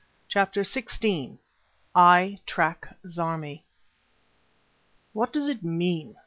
CHAPTER XVI I TRACK ZARMI "What does it mean?"